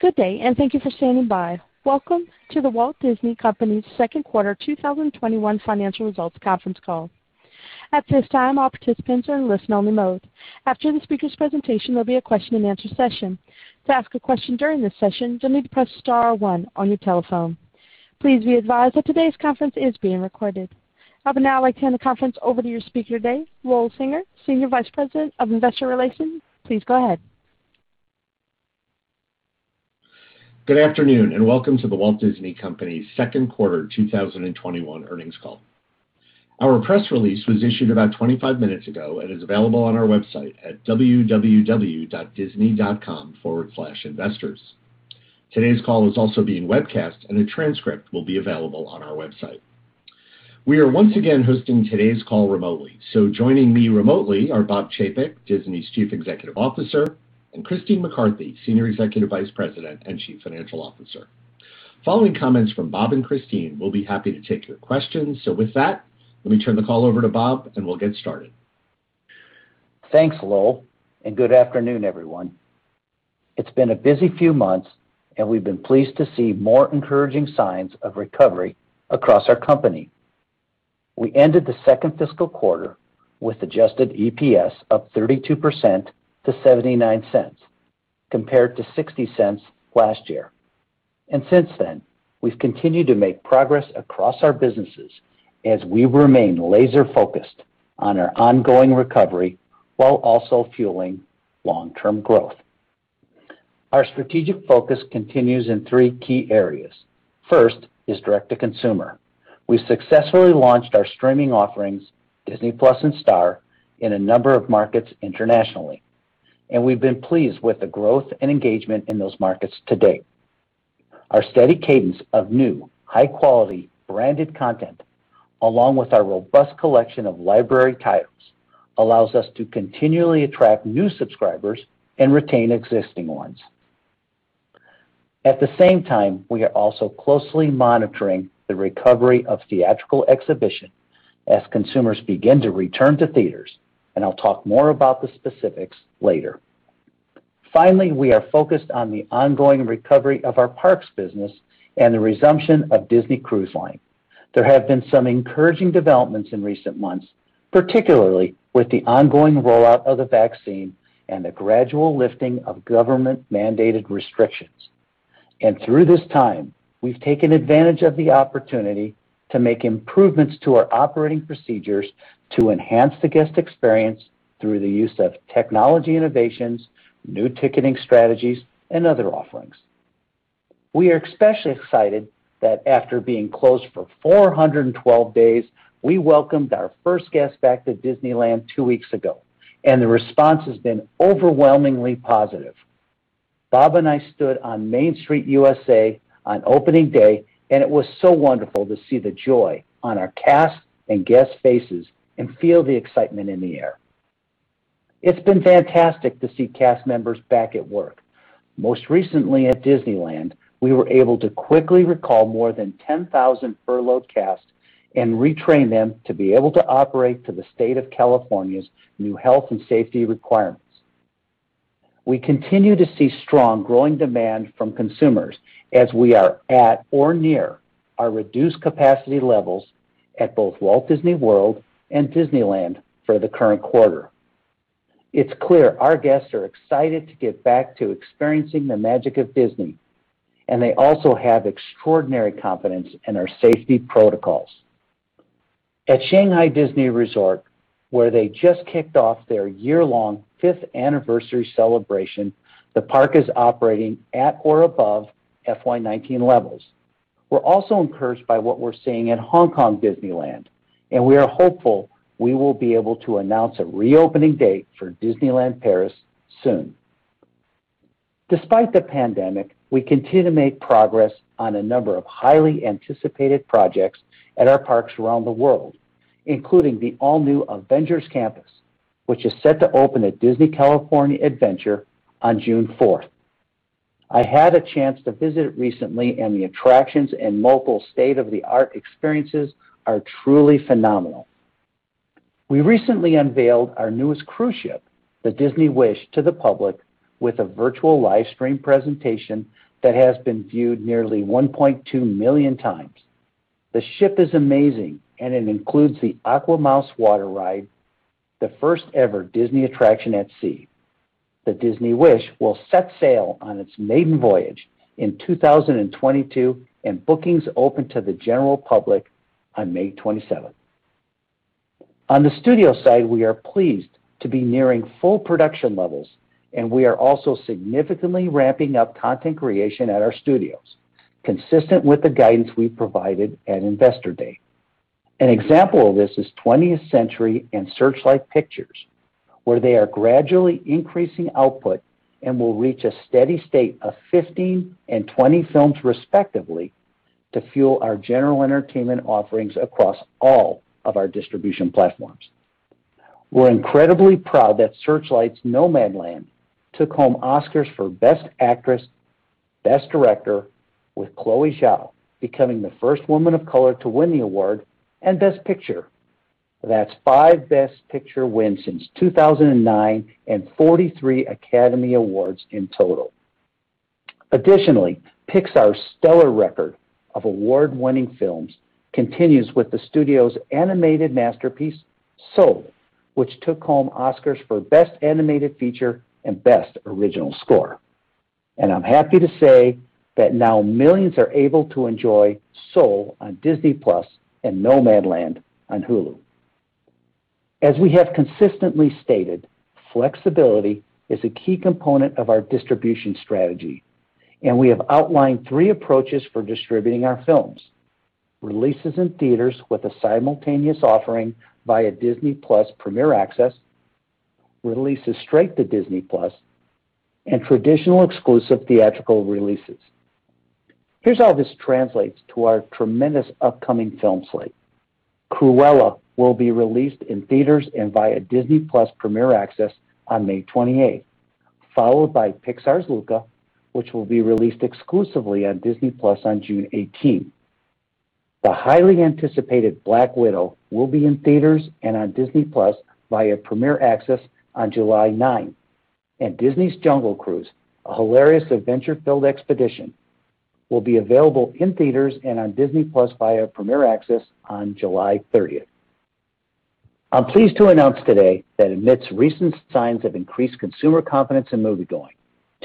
Good day, and thank you for standing by. Welcome to The Walt Disney Company's second quarter 2021 financial results conference call. At this time, all participants are in listen-only mode. After the speaker's presentation, there will be a question-and-answer session. To ask a question during this session, don't forget to press star one on your cell phone. Please be advised that today's conference is being recorded. I would now like to hand the conference over to your speaker today, Lowell Singer, Senior Vice President of Investor Relations. Please go ahead. Good afternoon, welcome to The Walt Disney Company's second quarter 2021 earnings call. Our press release was issued about 25 minutes ago and is available on our website at www.disney.com/investors. Today's call is also being webcast, and a transcript will be available on our website. We are once again hosting today's call remotely. Joining me remotely are Bob Chapek, Disney's Chief Executive Officer, and Christine McCarthy, Senior Executive Vice President and Chief Financial Officer. Following comments from Bob and Christine, we'll be happy to take your questions. With that, let me turn the call over to Bob, and we'll get started. Thanks, Lowell, and good afternoon, everyone. It's been a busy few months, and we've been pleased to see more encouraging signs of recovery across our company. We ended the second fiscal quarter with adjusted EPS up 32% to $0.79 compared to $0.60 last year. Since then, we've continued to make progress across our businesses as we remain laser-focused on our ongoing recovery while also fueling long-term growth. Our strategic focus continues in three key areas. First is direct to consumer. We successfully launched our streaming offerings, Disney+ and Star, in a number of markets internationally, and we've been pleased with the growth and engagement in those markets to date. Our steady cadence of new, high-quality branded content, along with our robust collection of library titles, allows us to continually attract new subscribers and retain existing ones. At the same time, we are also closely monitoring the recovery of theatrical exhibition as consumers begin to return to theaters. I'll talk more about the specifics later. Finally, we are focused on the ongoing recovery of our parks business and the resumption of Disney Cruise Line. There have been some encouraging developments in recent months, particularly with the ongoing rollout of the vaccine and the gradual lifting of government-mandated restrictions. Through this time, we've taken advantage of the opportunity to make improvements to our operating procedures to enhance the guest experience through the use of technology innovations, new ticketing strategies, and other offerings. We are especially excited that after being closed for 412 days, we welcomed our first guest back to Disneyland two weeks ago. The response has been overwhelmingly positive. Bob and I stood on Main Street U.S.A. on opening day, and it was so wonderful to see the joy on our cast and guests' faces and feel the excitement in the air. It's been fantastic to see cast members back at work. Most recently at Disneyland, we were able to quickly recall more than 10,000 furloughed cast and retrain them to be able to operate to the state of California's new health and safety requirements. We continue to see strong growing demand from consumers as we are at or near our reduced capacity levels at both Walt Disney World and Disneyland for the current quarter. It's clear our guests are excited to get back to experiencing the magic of Disney, and they also have extraordinary confidence in our safety protocols. At Shanghai Disney Resort, where they just kicked off their year-long fifth anniversary celebration, the park is operating at or above FY 2019 levels. We're also encouraged by what we're seeing at Hong Kong Disneyland, and we are hopeful we will be able to announce a reopening date for Disneyland Paris soon. Despite the pandemic, we continue to make progress on a number of highly anticipated projects at our parks around the world, including the all-new Avengers Campus, which is set to open at Disney California Adventure on June 4th. I had a chance to visit it recently, and the attractions and mobile state-of-the-art experiences are truly phenomenal. We recently unveiled our newest cruise ship, the Disney Wish, to the public with a virtual live stream presentation that has been viewed nearly 1.2 million times. The ship is amazing, and it includes the AquaMouse water ride, the first ever Disney attraction at sea. The Disney Wish will set sail on its maiden voyage in 2022, and bookings open to the general public on May 27th. On the studio side, we are pleased to be nearing full production levels, and we are also significantly ramping up content creation at our studios, consistent with the guidance we provided at Investor Day. An example of this is 20th Century and Searchlight Pictures, where they are gradually increasing output and will reach a steady state of 15 and 20 films, respectively, to fuel our general entertainment offerings across all of our distribution platforms. We're incredibly proud that Searchlight's "Nomadland" took home Oscars for Best Actress, Best Director, with Chloé Zhao becoming the first woman of color to win the award, and Best Picture. That's five Best Picture wins since 2009 and 43 Academy Awards in total. Pixar's stellar record of award-winning films continues with the studio's animated masterpiece, "Soul," which took home Oscars for Best Animated Feature and Best Original Score. I'm happy to say that now millions are able to enjoy "Soul" on Disney+ and "Nomadland" on Hulu. As we have consistently stated, flexibility is a key component of our distribution strategy, and we have outlined three approaches for distributing our films. Releases in theaters with a simultaneous offering via Disney+ Premier Access, releases straight to Disney+, and traditional exclusive theatrical releases. Here's how this translates to our tremendous upcoming film slate. Cruella" will be released in theaters and via Disney+ Premier Access on May 28th, followed by Pixar's "Luca," which will be released exclusively on Disney+ on June 18th. The highly anticipated "Black Widow" will be in theaters and on Disney+ via Premier Access on July 9th. Disney's "Jungle Cruise," a hilarious adventure-filled expedition, will be available in theaters and on Disney+ via Premier Access on July 30th. I'm pleased to announce today that amidst recent signs of increased consumer confidence in moviegoing,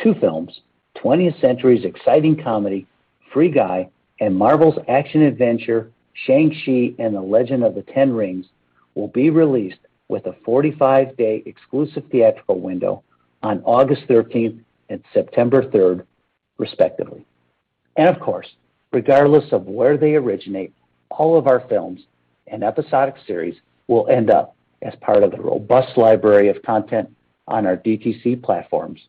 two films, 20th Century's exciting comedy, "Free Guy," and Marvel's action-adventure, "Shang-Chi and the Legend of the Ten Rings," will be released with a 45-day exclusive theatrical window on August 13th and September 3rd, respectively. Of course, regardless of where they originate, all of our films and episodic series will end up as part of the robust library of content on our DTC platforms.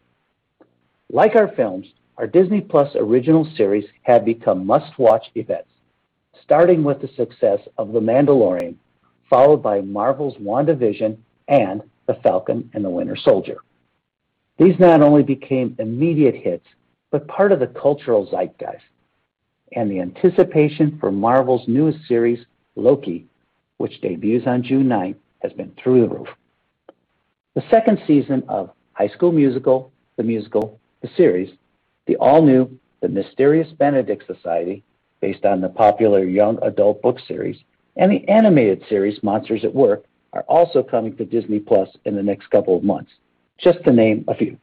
Like our films, our Disney+ original series have become must-watch events. Starting with the success of "The Mandalorian," followed by Marvel's "WandaVision" and "The Falcon and the Winter Soldier." These not only became immediate hits, but part of the cultural zeitgeist. The anticipation for Marvel's newest series, "Loki," which debuts on June 9th, has been through the roof. The second season of "High School Musical: The Musical: The Series," the all-new "The Mysterious Benedict Society," based on the popular young adult book series, and the animated series, "Monsters at Work," are also coming to Disney+ in the next couple of months, just to name a few.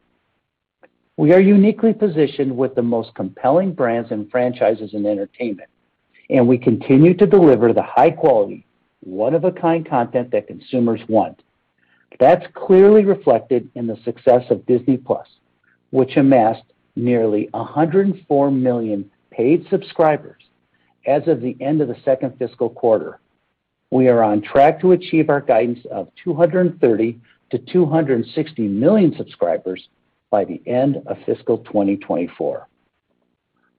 We are uniquely positioned with the most compelling brands and franchises in entertainment, and we continue to deliver the high-quality, one-of-a-kind content that consumers want. That's clearly reflected in the success of Disney+, which amassed nearly 104 million paid subscribers as of the end of the second fiscal quarter. We are on track to achieve our guidance of 230-260 million subscribers by the end of fiscal 2024.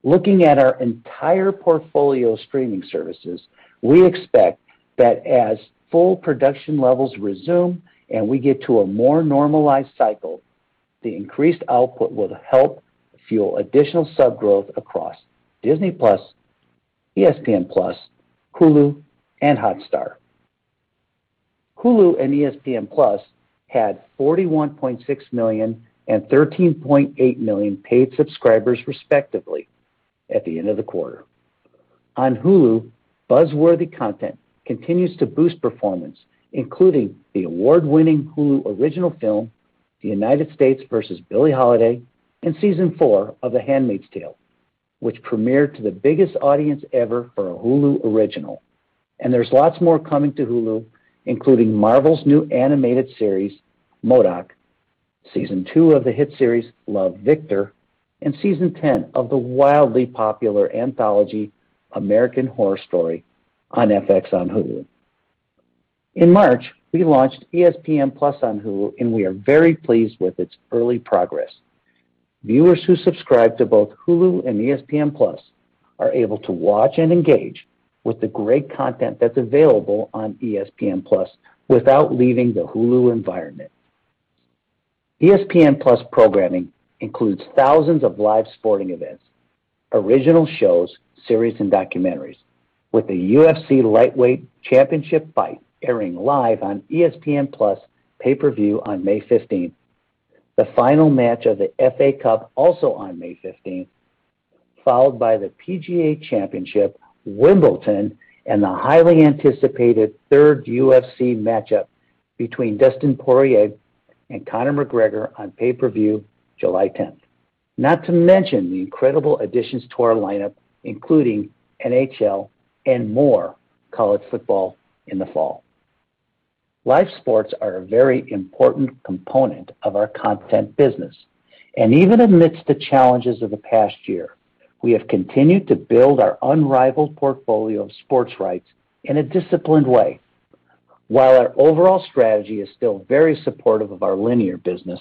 Looking at our entire portfolio of streaming services, we expect that as full production levels resume and we get to a more normalized cycle, the increased output will help fuel additional sub growth across Disney+, ESPN+, Hulu, and Hotstar. Hulu and ESPN+ had 41.6 million and 13.8 million paid subscribers respectively at the end of the quarter. On Hulu, buzz-worthy content continues to boost performance, including the award-winning Hulu original film, "The United States vs. Billie Holiday" and Season 4 of "The Handmaid's Tale," which premiered to the biggest audience ever for a Hulu original. There's lots more coming to Hulu, including Marvel's new animated series, "M.O.D.O.K.", Season 2 of the hit series, "Love, Victor", and Season 10 of the wildly popular anthology, "American Horror Story" on FX on Hulu. In March, we launched ESPN+ on Hulu, and we are very pleased with its early progress. Viewers who subscribe to both Hulu and ESPN+ are able to watch and engage with the great content that's available on ESPN+ without leaving the Hulu environment. ESPN+ programming includes thousands of live sporting events, original shows, series, and documentaries, with the UFC Lightweight Championship fight airing live on ESPN+ pay-per-view on May 15th. The final match of the FA Cup also on May 15th, followed by the PGA Championship, Wimbledon, and the highly anticipated third UFC matchup between Dustin Poirier and Conor McGregor on pay-per-view July 10th. Not to mention the incredible additions to our lineup, including NHL and more college football in the fall. Live sports are a very important component of our content business. Even amidst the challenges of the past year, we have continued to build our unrivaled portfolio of sports rights in a disciplined way. While our overall strategy is still very supportive of our linear business,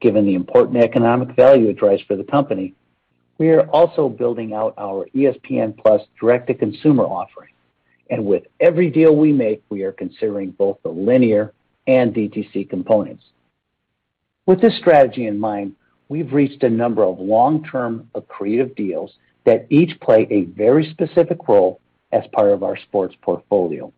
given the important economic value it drives for the company, we are also building out our ESPN+ direct-to-consumer offering. With every deal we make, we are considering both the linear and DTC components. With this strategy in mind, we've reached a number of long-term accretive deals that each play a very specific role as part of our sports portfolio.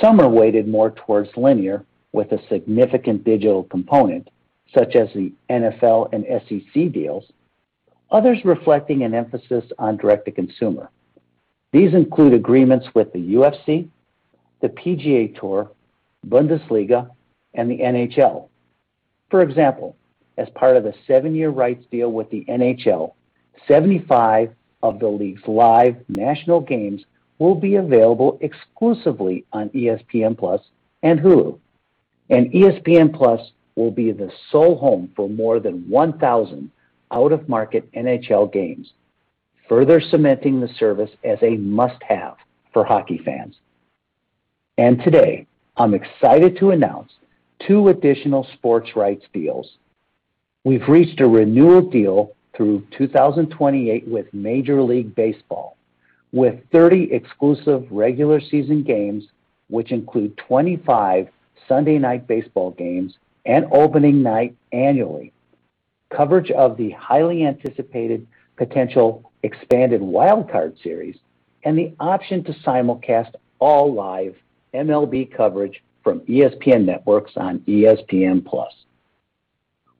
Some are weighted more towards linear with a significant digital component, such as the NFL and SEC deals, others reflecting an emphasis on direct-to-consumer. These include agreements with the UFC, the PGA Tour, Bundesliga, and the NHL. For example, as part of the seven-year rights deal with the NHL, 75 of the league's live national games will be available exclusively on ESPN+ and Hulu. ESPN+ will be the sole home for more than 1,000 out-of-market NHL games, further cementing the service as a must-have for hockey fans. Today, I'm excited to announce two additional sports rights deals. We've reached a renewal deal through 2028 with Major League Baseball, with 30 exclusive regular season games, which include 25 Sunday night baseball games and opening night annually, coverage of the highly anticipated potential expanded Wild Card series, and the option to simulcast all live MLB coverage from ESPN networks on ESPN+.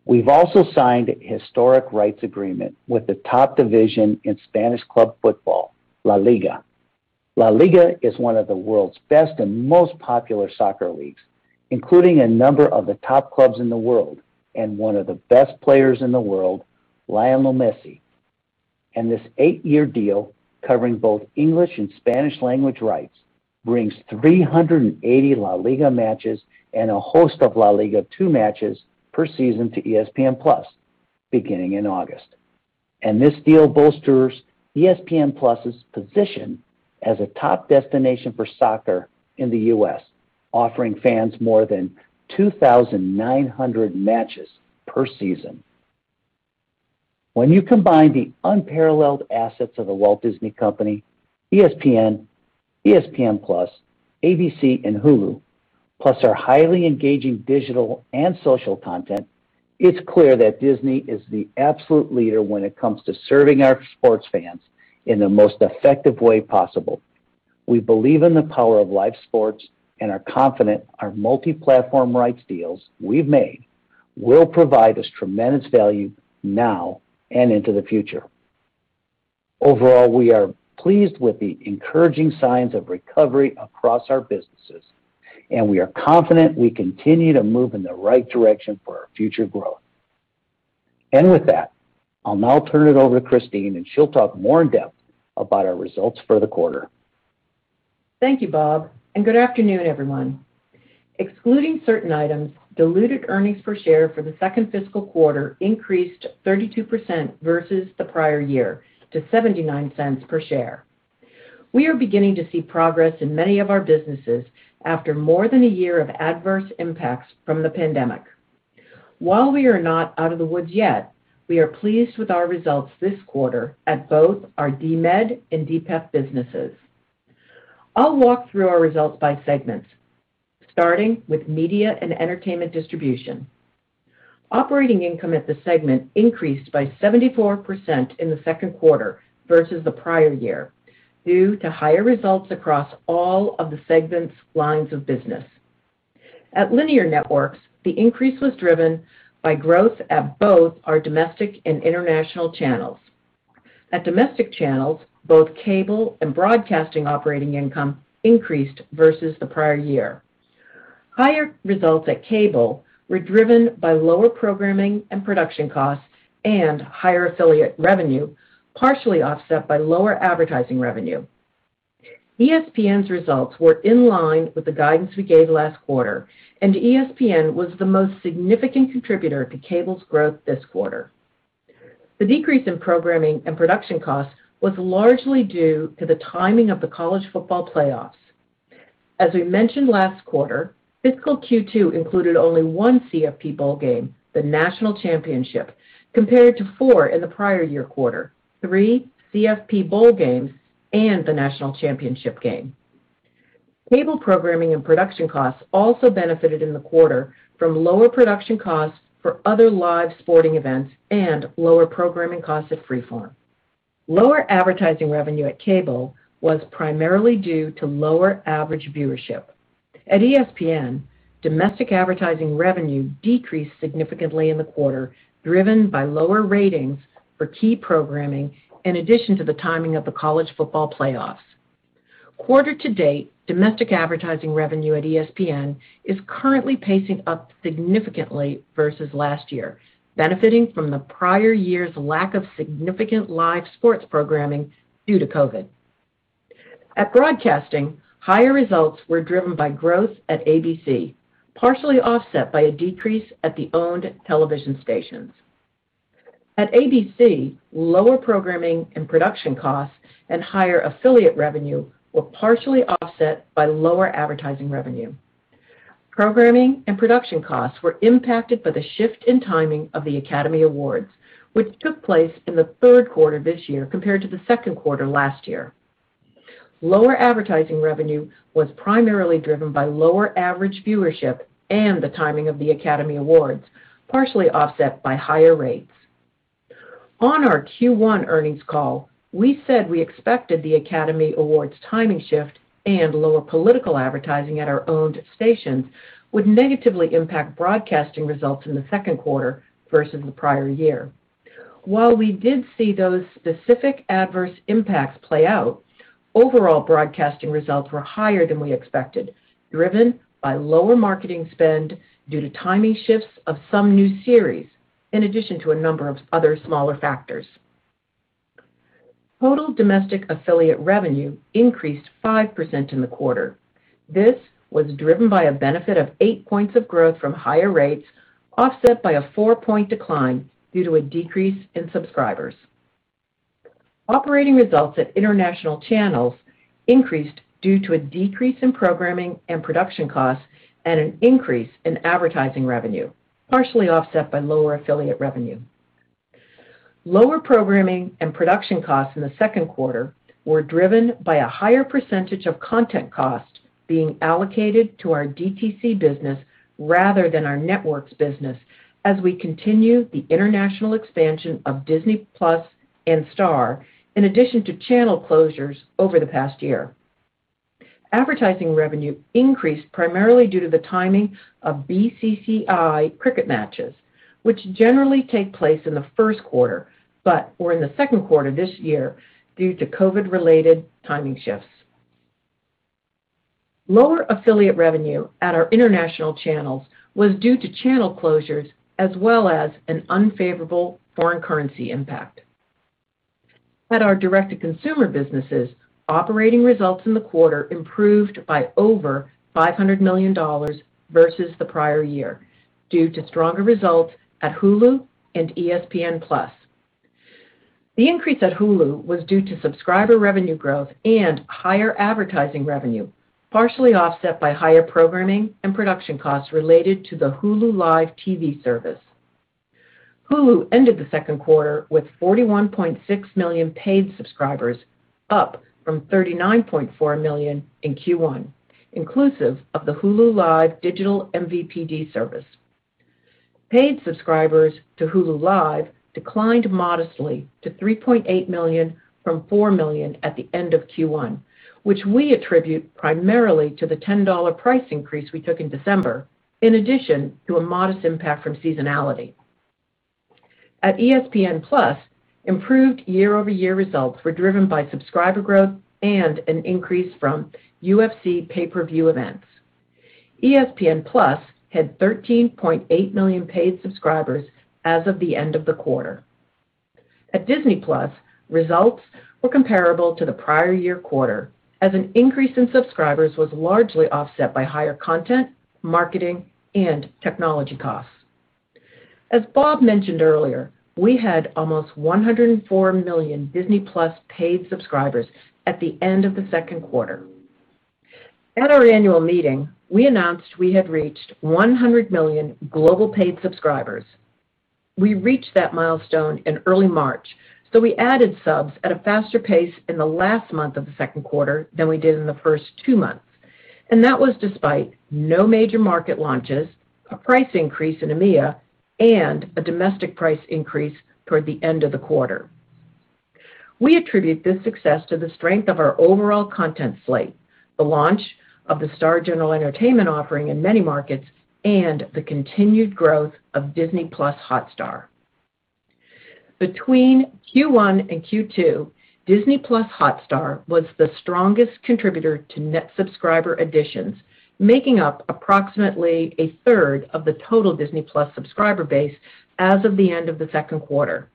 We've also signed a historic rights agreement with the top division in Spanish club football, La Liga. La Liga is one of the world's best and most popular soccer leagues, including a number of the top clubs in the world and one of the best players in the world, Lionel Messi. This eight-year deal, covering both English and Spanish language rights, brings 380 La Liga matches and a host of La Liga 2 matches per season to ESPN+, beginning in August. This deal bolsters ESPN+'s position as a top destination for soccer in the U.S., offering fans more than 2,900 matches per season. When you combine the unparalleled assets of The Walt Disney Company, ESPN+, ABC, and Hulu, plus our highly engaging digital and social content, it's clear that Disney is the absolute leader when it comes to serving our sports fans in the most effective way possible. We believe in the power of live sports and are confident our multi-platform rights deals we've made will provide us tremendous value now and into the future. Overall, we are pleased with the encouraging signs of recovery across our businesses, and we are confident we continue to move in the right direction for our future growth. With that, I'll now turn it over to Christine, and she'll talk more in depth about our results for the quarter. Thank you, Bob. Good afternoon, everyone. Excluding certain items, diluted earnings per share for the second fiscal quarter increased 32% versus the prior year to $0.79 per share. We are beginning to see progress in many of our businesses after more than a year of adverse impacts from the pandemic. While we are not out of the woods yet, we are pleased with our results this quarter at both our DMED and DPEP businesses. I'll walk through our results by segment, starting with media and entertainment distribution. Operating income at the segment increased by 74% in the second quarter versus the prior year due to higher results across all of the segment's lines of business. At Linear Networks, the increase was driven by growth at both our domestic and international channels. At domestic channels, both cable and broadcasting operating income increased versus the prior year. Higher results at cable were driven by lower programming and production costs and higher affiliate revenue, partially offset by lower advertising revenue. ESPN's results were in line with the guidance we gave last quarter, and ESPN was the most significant contributor to cable's growth this quarter. The decrease in programming and production costs was largely due to the timing of the College Football Playoff. As we mentioned last quarter, fiscal Q2 included only one CFP bowl game, the National Championship, compared to four in the prior year quarter, three CFP bowl games and the National Championship Game. Cable programming and production costs also benefited in the quarter from lower production costs for other live sporting events and lower programming costs at Freeform. Lower advertising revenue at cable was primarily due to lower average viewership. At ESPN, domestic advertising revenue decreased significantly in the quarter, driven by lower ratings for key programming, in addition to the timing of the College Football Playoff. Quarter to date, domestic advertising revenue at ESPN is currently pacing up significantly versus last year, benefiting from the prior year's lack of significant live sports programming due to COVID. At broadcasting, higher results were driven by growth at ABC, partially offset by a decrease at the owned television stations. At ABC, lower programming and production costs and higher affiliate revenue were partially offset by lower advertising revenue. Programming and production costs were impacted by the shift in timing of the Academy Awards, which took place in the third quarter this year compared to the second quarter last year. Lower advertising revenue was primarily driven by lower average viewership and the timing of the Academy Awards, partially offset by higher rates. On our Q1 earnings call, we said we expected the Academy Awards timing shift and lower political advertising at our owned stations would negatively impact broadcasting results in the second quarter versus the prior year. While we did see those specific adverse impacts play out, overall broadcasting results were higher than we expected, driven by lower marketing spend due to timing shifts of some new series, in addition to a number of other smaller factors. Total domestic affiliate revenue increased 5% in the quarter. This was driven by a benefit of eight points of growth from higher rates, offset by a four-point decline due to a decrease in subscribers. Operating results at international channels increased due to a decrease in programming and production costs and an increase in advertising revenue, partially offset by lower affiliate revenue. Lower programming and production costs in the second quarter were driven by a higher percentage of content cost being allocated to our DTC business rather than our networks business as we continue the international expansion of Disney+ and Star, in addition to channel closures over the past year. Advertising revenue increased primarily due to the timing of BCCI cricket matches, which generally take place in the first quarter, but were in the second quarter this year due to COVID-related timing shifts. Lower affiliate revenue at our international channels was due to channel closures as well as an unfavorable foreign currency impact. At our direct to consumer businesses, operating results in the quarter improved by over $500 million versus the prior year, due to stronger results at Hulu and ESPN+. The increase at Hulu was due to subscriber revenue growth and higher advertising revenue, partially offset by higher programming and production costs related to the Hulu Live TV service. Hulu ended the second quarter with 41.6 million paid subscribers, up from 39.4 million in Q1, inclusive of the Hulu Live digital MVPD service. Paid subscribers to Hulu Live declined modestly to 3.8 million from four million at the end of Q1, which we attribute primarily to the $10 price increase we took in December, in addition to a modest impact from seasonality. At ESPN+, improved year-over-year results were driven by subscriber growth and an increase from UFC pay-per-view events. ESPN+ had 13.8 million paid subscribers as of the end of the quarter. At Disney+, results were comparable to the prior year quarter, as an increase in subscribers was largely offset by higher content, marketing, and technology costs. As Bob mentioned earlier, we had almost 104 million Disney+ paid subscribers at the end of the second quarter. At our annual meeting, we announced we had reached 100 million global paid subscribers. We reached that milestone in early March. We added subs at a faster pace in the last month of the second quarter than we did in the first two months. That was despite no major market launches, a price increase in EMEA, and a domestic price increase toward the end of the quarter. We attribute this success to the strength of our overall content slate, the launch of the Star general entertainment offering in many markets, and the continued growth of Disney+ Hotstar. Between Q1 and Q2, Disney+ Hotstar was the strongest contributor to net subscriber additions, making up approximately a third of the total Disney+ subscriber base as of the end of the second quarter.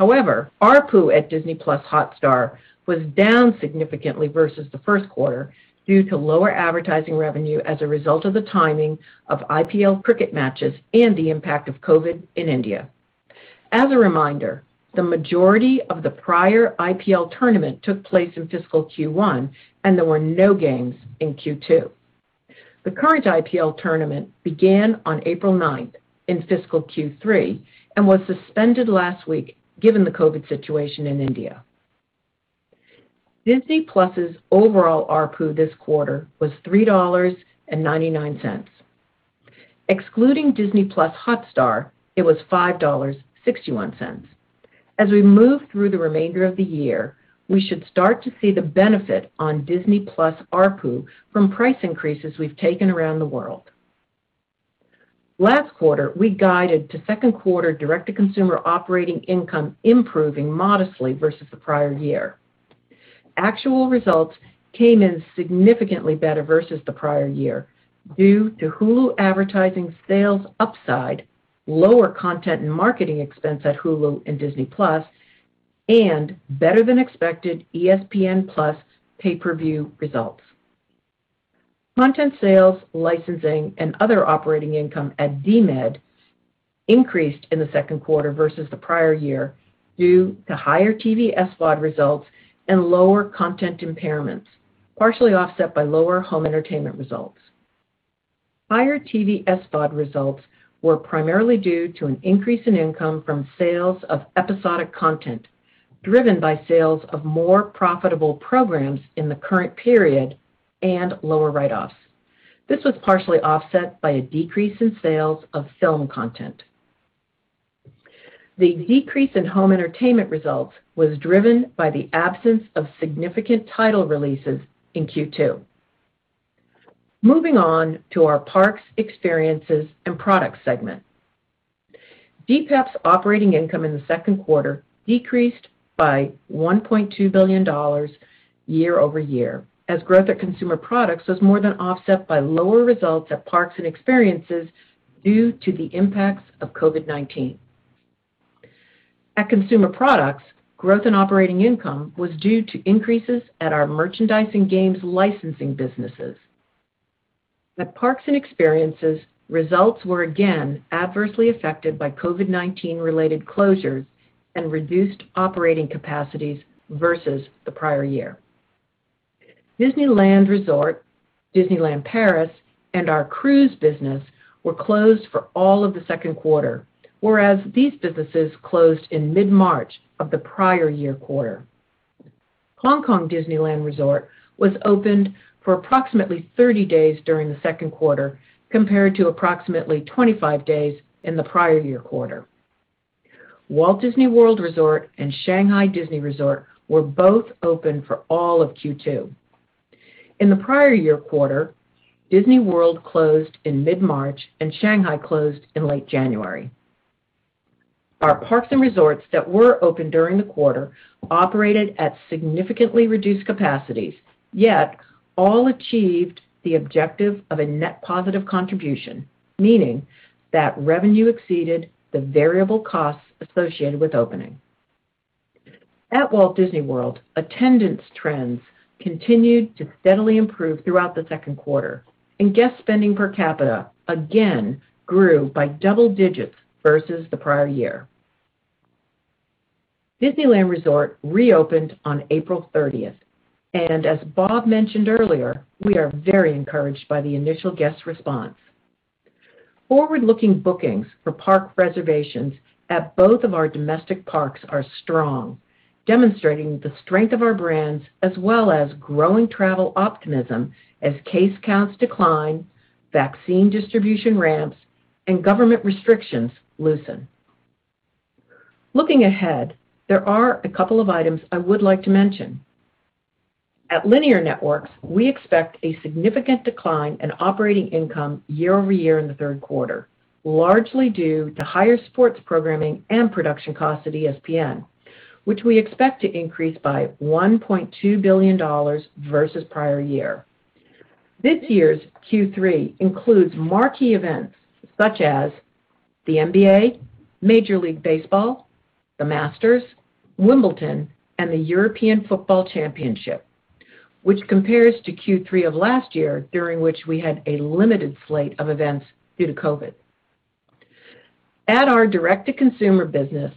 ARPU at Disney+ Hotstar was down significantly versus the first quarter due to lower advertising revenue as a result of the timing of IPL cricket matches and the impact of COVID in India. As a reminder, the majority of the prior IPL tournament took place in fiscal Q1, and there were no games in Q2. The current IPL tournament began on April 9th in fiscal Q3 and was suspended last week given the COVID situation in India. Disney+'s overall ARPU this quarter was $3.99. Excluding Disney+ Hotstar, it was $5.61. As we move through the remainder of the year, we should start to see the benefit on Disney+ ARPU from price increases we've taken around the world. Last quarter, we guided to second quarter direct-to-consumer operating income improving modestly versus the prior year. Actual results came in significantly better versus the prior year due to Hulu advertising sales upside, lower content and marketing expense at Hulu and Disney+, and better-than-expected ESPN+ pay-per-view results. Content sales, licensing, and other operating income at DMED increased in the second quarter versus the prior year due to higher TV SVOD results and lower content impairments, partially offset by lower home entertainment results. Higher TV SVOD results were primarily due to an increase in income from sales of episodic content, driven by sales of more profitable programs in the current period and lower write-offs. This was partially offset by a decrease in sales of film content. The decrease in home entertainment results was driven by the absence of significant title releases in Q2. Moving on to our Parks, Experiences and Products segment. DPEP's operating income in the second quarter decreased by $1.2 billion year-over-year as growth at Consumer Products was more than offset by lower results at Parks and Experiences due to the impacts of COVID-19. At Consumer Products, growth in operating income was due to increases at our merchandising games licensing businesses. At Parks and Experiences, results were again adversely affected by COVID-19 related closures and reduced operating capacities versus the prior year. Disneyland Resort, Disneyland Paris and our cruise business were closed for all of the second quarter, whereas these businesses closed in mid-March of the prior year quarter. Hong Kong Disneyland Resort was opened for approximately 30 days during the second quarter, compared to approximately 25 days in the prior year quarter. Walt Disney World Resort and Shanghai Disney Resort were both open for all of Q2. In the prior year quarter, Disney World closed in mid-March and Shanghai closed in late January. Our parks and resorts that were open during the quarter operated at significantly reduced capacities, yet all achieved the objective of a net positive contribution, meaning that revenue exceeded the variable costs associated with opening. At Walt Disney World, attendance trends continued to steadily improve throughout the second quarter, and guest spending per capita again grew by double digits versus the prior year. Disneyland Resort reopened on April 30th, and as Bob mentioned earlier, we are very encouraged by the initial guest response. Forward-looking bookings for park reservations at both of our domestic parks are strong, demonstrating the strength of our brands as well as growing travel optimism as case counts decline, vaccine distribution ramps, and government restrictions loosen. Looking ahead, there are a couple of items I would like to mention. At Linear Networks, we expect a significant decline in operating income year-over-year in the third quarter, largely due to higher sports programming and production costs at ESPN, which we expect to increase by $1.2 billion versus prior year. This year's Q3 includes marquee events such as the NBA, Major League Baseball, the Masters, Wimbledon, and the European Football Championship, which compares to Q3 of last year, during which we had a limited slate of events due to COVID. At our direct-to-consumer business,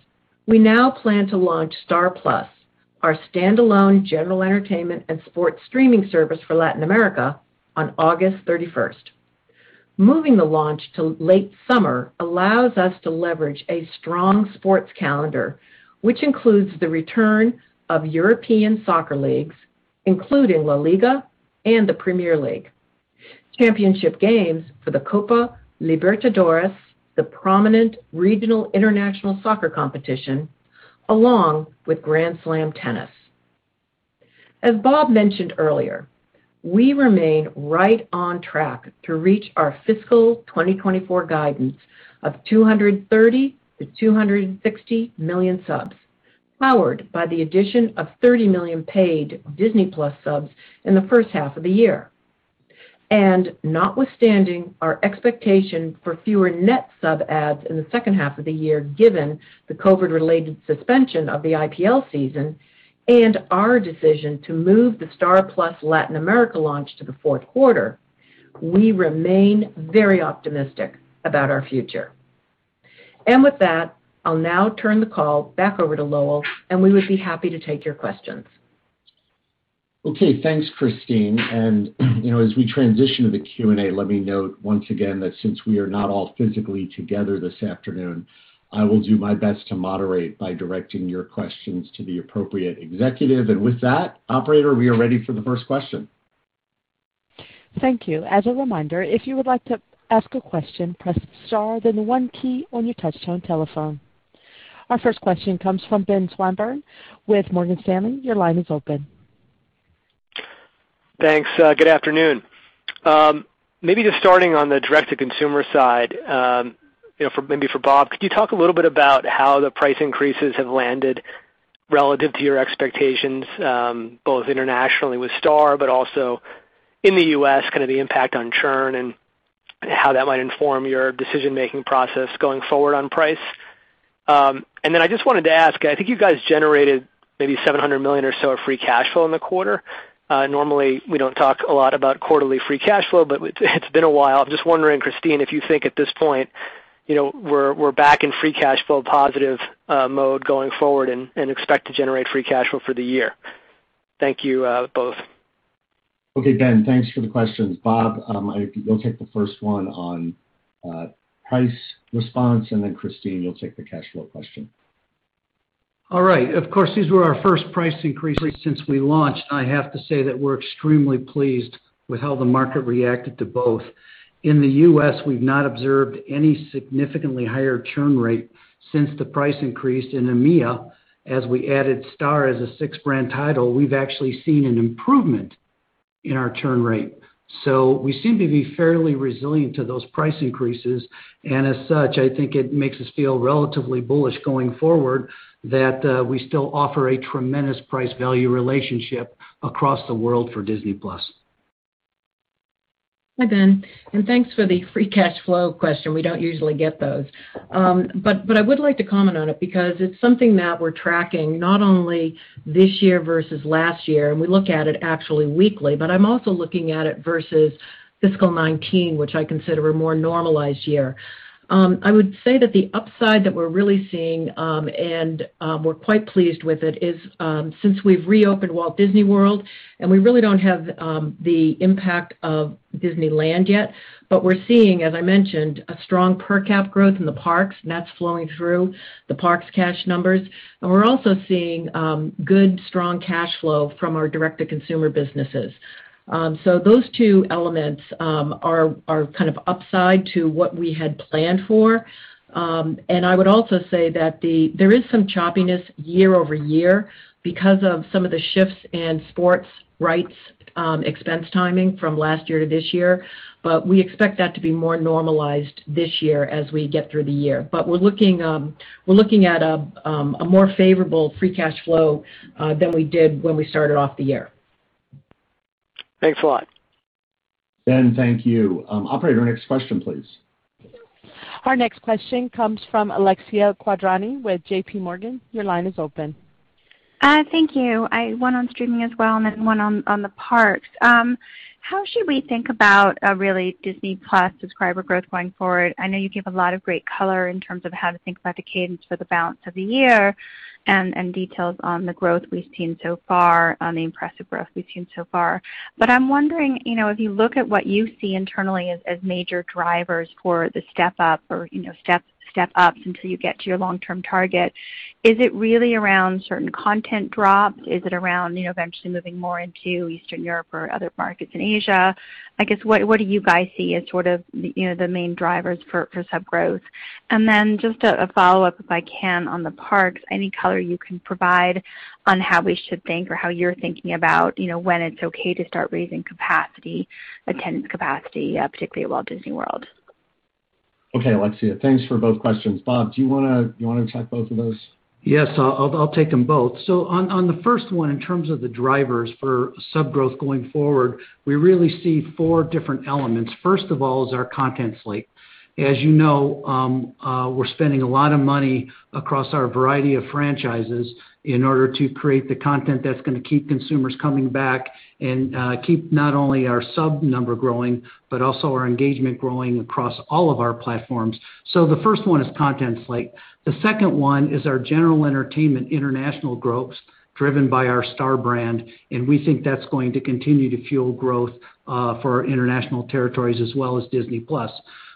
we now plan to launch Star+, our standalone general entertainment and sports streaming service for Latin America, on August 31st. Moving the launch to late summer allows us to leverage a strong sports calendar, which includes the return of European soccer leagues, including LaLiga and the Premier League, championship games for the Copa Libertadores, the prominent regional international soccer competition, along with Grand Slam tennis. As Bob mentioned earlier, we remain right on track to reach our fiscal 2024 guidance of 230 million-260 million subs, powered by the addition of 30 million paid Disney+ subs in the first half of the year. Notwithstanding our expectation for fewer net sub adds in the second half of the year, given the COVID-related suspension of the IPL season and our decision to move the Star+ Latin America launch to the fourth quarter, we remain very optimistic about our future. With that, I'll now turn the call back over to Lowell, and we would be happy to take your questions. Okay. Thanks, Christine. As we transition to the Q&A, let me note once again that since we are not all physically together this afternoon, I will do my best to moderate by directing your questions to the appropriate executive. With that, operator, we are ready for the first question. Thank you. As a reminder, if you would like to ask a question, press star and then the one key on your touch-tone telephone. Our first question comes from Benjamin Swinburne with Morgan Stanley. Your line is open. Thanks. Good afternoon. Maybe just starting on the direct-to-consumer side, maybe for Bob. Could you talk a little bit about how the price increases have landed relative to your expectations, both internationally with Star, but also in the U.S., the impact on churn and how that might inform your decision-making process going forward on price? I just wanted to ask, I think you guys generated maybe $700 million or so of free cash flow in the quarter. Normally, we don't talk a lot about quarterly free cash flow, but it's been a while. I'm just wondering, Christine, if you think at this point we're back in free cash flow positive mode going forward and expect to generate free cash flow for the year? Thank you both. Okay, Ben, thanks for the questions. Bob, you'll take the first one on price response, and then Christine, you'll take the cash flow question. All right. Of course, these were our first price increases since we launched. I have to say that we're extremely pleased with how the market reacted to both. In the U.S., we've not observed any significantly higher churn rate since the price increase. In EMEA, as we added Star as a six-brand title, we've actually seen an improvement in our churn rate. We seem to be fairly resilient to those price increases. I think it makes us feel relatively bullish going forward that we still offer a tremendous price-value relationship across the world for Disney+. Hi, Ben, thanks for the free cash flow question. We don't usually get those. I would like to comment on it because it's something that we're tracking not only this year versus last year, and we look at it actually weekly, but I'm also looking at it versus fiscal 2019, which I consider a more normalized year. I would say that the upside that we're really seeing, and we're quite pleased with it, is since we've reopened Walt Disney World, and we really don't have the impact of Disneyland yet, but we're seeing, as I mentioned, a strong per capita growth in the parks, and that's flowing through the parks cash numbers. We're also seeing good, strong cash flow from our direct-to-consumer businesses. Those two elements are upside to what we had planned for. I would also say that there is some choppiness year-over-year because of some of the shifts in sports rights expense timing from last year to this year. We expect that to be more normalized this year as we get through the year. We're looking at a more favorable free cash flow than we did when we started off the year. Thanks a lot. Ben, thank you. Operator, next question, please. Our next question comes from Alexia Quadrani with JP Morgan. Your line is open. Thank you. I have one on streaming as well, and then one on the parks. How should we think about Disney+ subscriber growth going forward? I know you gave a lot of great color in terms of how to think about the cadence for the balance of the year and details on the growth we've seen so far and the impressive growth we've seen so far. I'm wondering if you look at what you see internally as major drivers for the step up or step ups until you get to your long-term target, is it really around certain content drops? Is it around eventually moving more into Eastern Europe or other markets in Asia? I guess, what do you guys see as the main drivers for sub growth? Just a follow-up, if I can, on the parks, any color you can provide on how we should think or how you're thinking about when it's okay to start raising attendance capacity, particularly at Walt Disney World. Okay, Alexia, thanks for both questions. Bob, do you want to attack both of those? Yes, I'll take them both. On the first one, in terms of the drivers for sub growth going forward, we really see four different elements. First of all is our content slate. As you know, we're spending a lot of money across our variety of franchises in order to create the content that's going to keep consumers coming back and keep not only our sub number growing, but also our engagement growing across all of our platforms. The first one is content slate. The second one is our general entertainment international growth, driven by our Star brand, and we think that's going to continue to fuel growth for our international territories as well as Disney+.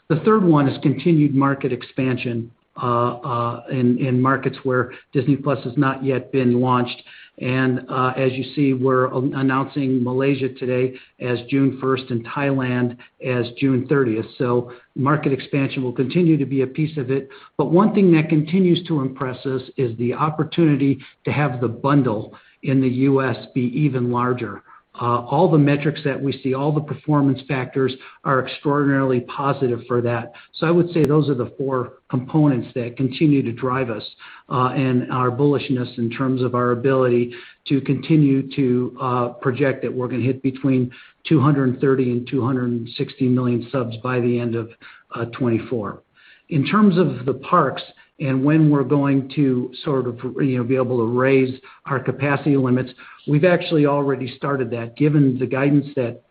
The third one is continued market expansion in markets where Disney+ has not yet been launched. As you see, we're announcing Malaysia today as June 1st and Thailand as June 30th. Market expansion will continue to be a piece of it. One thing that continues to impress us is the opportunity to have the bundle in the U.S. be even larger. All the metrics that we see, all the performance factors are extraordinarily positive for that. I would say those are the four components that continue to drive us and our bullishness in terms of our ability to continue to project that we're going to hit between 230 and 260 million subs by the end of 2024. In terms of the parks and when we're going to be able to raise our capacity limits, we've actually already started that. Given the guidance that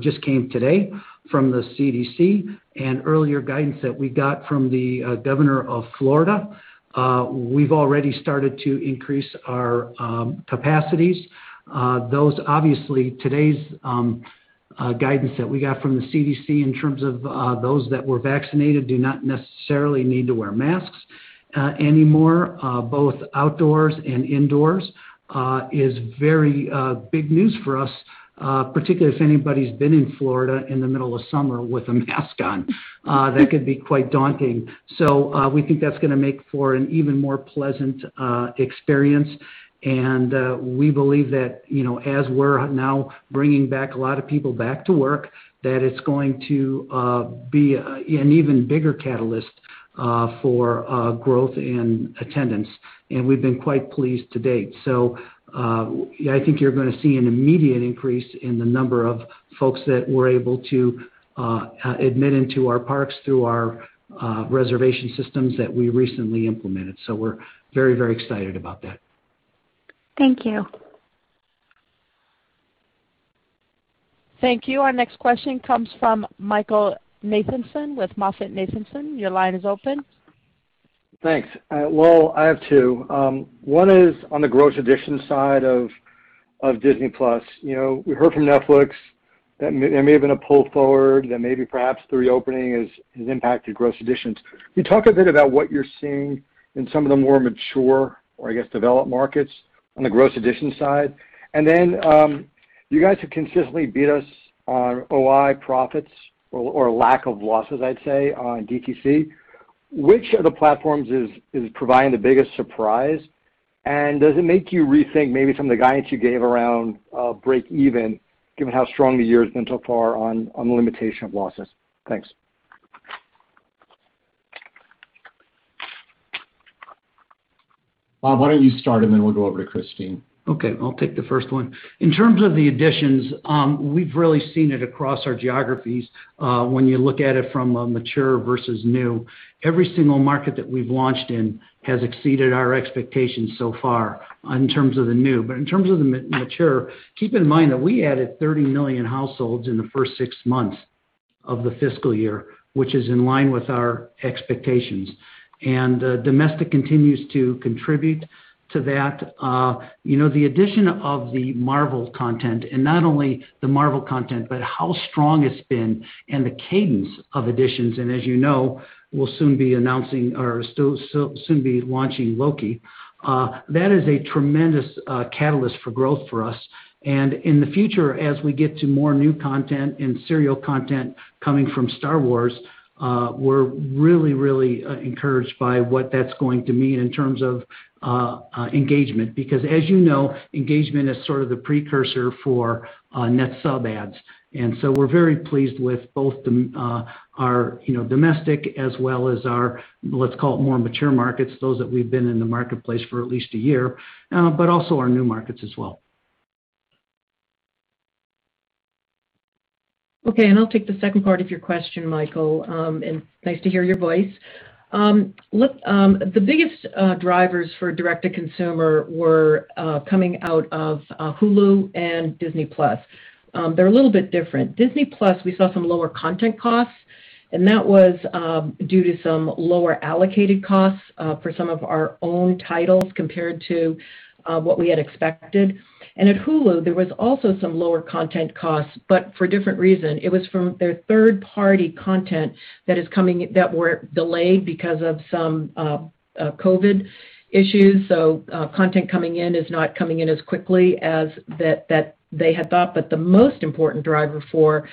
just came today from the CDC and earlier guidance that we got from the Governor of Florida, we've already started to increase our capacities. Obviously, today's guidance that we got from the CDC in terms of those that were vaccinated do not necessarily need to wear masks anymore, both outdoors and indoors, is very big news for us, particularly if anybody's been in Florida in the middle of summer with a mask on. That could be quite daunting. We think that's going to make for an even more pleasant experience, and we believe that as we're now bringing back a lot of people back to work, that it's going to be an even bigger catalyst for growth in attendance. We've been quite pleased to date. I think you're going to see an immediate increase in the number of folks that we're able to admit into our parks through our reservation systems that we recently implemented. We're very excited about that. Thank you. Thank you. Our next question comes from Michael Nathanson with MoffettNathanson. Your line is open. Thanks. Well, I have two. One is on the gross additions side of Disney+. We heard from Netflix that there may have been a pull forward, that maybe perhaps the reopening has impacted gross additions. Can you talk a bit about what you're seeing in some of the more mature, or I guess developed markets on the gross additions side? Then you guys have consistently beat us on OI profits or lack of losses, I'd say, on DTC. Which of the platforms is providing the biggest surprise? Does it make you rethink maybe some of the guidance you gave around breakeven given how strong the year has been so far on the limitation of losses? Thanks. Bob, why don't you start and then we'll go over to Christine. Okay, I'll take the first one. In terms of the additions, we've really seen it across our geographies when you look at it from a mature versus new. Every single market that we've launched in has exceeded our expectations so far in terms of the new. In terms of the mature, keep in mind that we added 30 million households in the first six months of the fiscal year, which is in line with our expectations. Domestic continues to contribute to that. The addition of the Marvel content, and not only the Marvel content, but how strong it's been and the cadence of additions, and as you know, we'll soon be announcing or soon be launching Loki. That is a tremendous catalyst for growth for us. In the future, as we get to more new content and serial content coming from Star Wars, we're really encouraged by what that's going to mean in terms of engagement, because as you know, engagement is sort of the precursor for net sub adds. We're very pleased with both our domestic as well as our, let's call it more mature markets, those that we've been in the marketplace for at least a year, but also our new markets as well. Okay, I'll take the second part of your question, Michael, nice to hear your voice. The biggest drivers for direct to consumer were coming out of Hulu and Disney+. They're a little bit different. Disney+, we saw some lower content costs. That was due to some lower allocated costs for some of our own titles compared to what we had expected. At Hulu, there was also some lower content costs, for a different reason. It was from their third-party content that were delayed because of some COVID issues. Content coming in is not coming in as quickly as they had thought. The most important driver for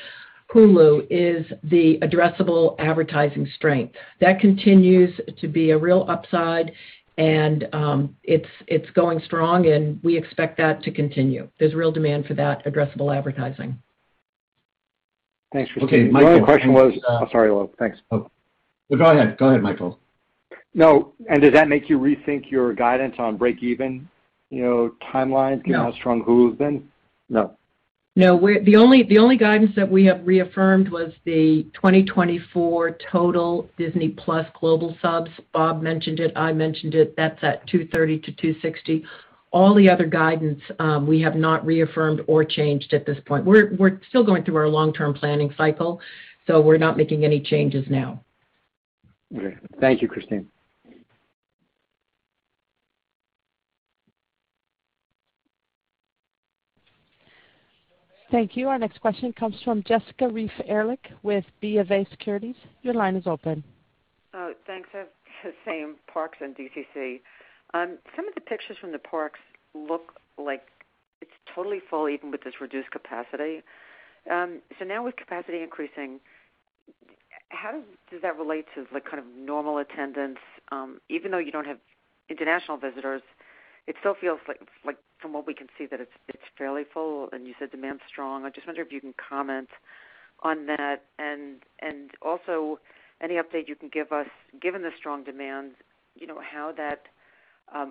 Hulu is the addressable advertising strength. That continues to be a real upside, and it's going strong, and we expect that to continue. There's real demand for that addressable advertising. Thanks, Christine. Okay. Michael. Oh, sorry, Lowell. Thanks. Oh. Go ahead, Michael. No. Does that make you rethink your guidance on breakeven timelines? No given how strong Hulu's been? No. No. The only guidance that we have reaffirmed was the 2024 total Disney+ global subs. Bob mentioned it, I mentioned it. That's at 230-260. All the other guidance we have not reaffirmed or changed at this point. We're still going through our long-term planning cycle, we're not making any changes now. Okay. Thank you, Christine. Thank you. Our next question comes from Jessica Reif Ehrlich with BofA Securities. Your line is open. Oh, thanks. Same, parks and DTC. Some of the pictures from the parks look like it's totally full, even with this reduced capacity. Now with capacity increasing, how does that relate to kind of normal attendance? Even though you don't have international visitors, it still feels like from what we can see that it's fairly full, and you said demand's strong. I just wonder if you can comment on that. Also any update you can give us given the strong demand, how that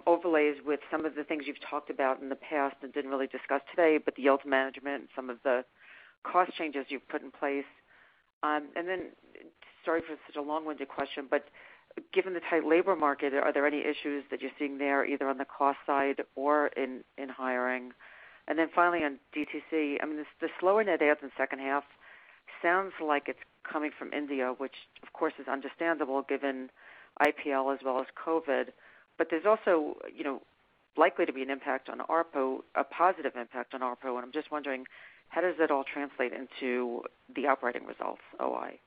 overlays with some of the things you've talked about in the past and didn't really discuss today, but the yield management and some of the cost changes you've put in place. Then sorry for such a long-winded question, but given the tight labor market, are there any issues that you're seeing there, either on the cost side or in hiring? Finally on DTC, the slower net adds in the second half sounds like it is coming from India, which of course is understandable given IPL as well as COVID. There is also likely to be an impact on ARPU, a positive impact on ARPU. I am just wondering, how does it all translate into the operating results, OI?